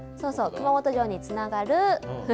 熊本城につながる。